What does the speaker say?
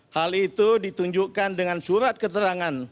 hal itu ditunjukkan dengan surat keterangan